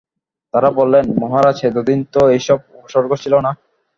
তারা বললে, মহারাজ, এতদিন তো এ-সব উপসর্গ ছিল না।